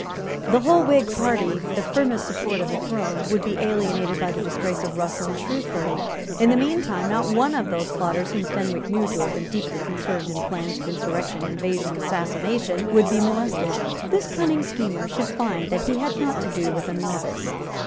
The whole Whig party, the firmest support of the throne, would be alienated by the disgrace of Russell and Shrewsbury. In the meantime not one of those plotters whom Fenwick knew to have been deeply concerned in plans of insurrection, invasion, assassination, would be molested. This cunning schemer should find that he had not to do with a novice.